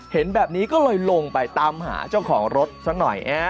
เห็นแบบนี้ก็เลยลงไปตามหาเจ้าของรถซะหน่อย